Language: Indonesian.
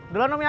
duluan om ya